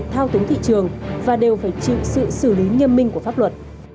thao túng thị trường và đều phải chịu sự xử lý nghiêm minh của pháp luật